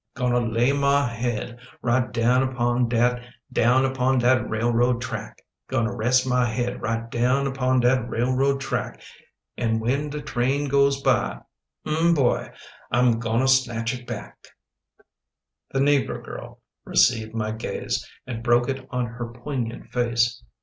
Gonna lay mah head right down upon dot — Down upon dat railroad track! Gonna rest mah head right down upon dat railroad track. Art wen the train goes by — 'm boy — Ahm gonna snatch U back. The negro girl received my gaze And broke it on her poignant face.